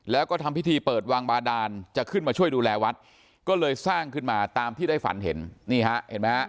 แล้วก็ทำพิธีเปิดวางบาดานจะขึ้นมาช่วยดูแลวัดก็เลยสร้างขึ้นมาตามที่ได้ฝันเห็นนี่ฮะเห็นไหมฮะ